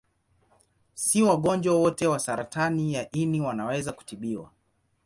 Si wagonjwa wote wa saratani ya ini wanaweza kutibiwa.